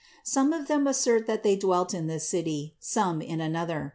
Some of them assert that they dwelt in this city, some in an other.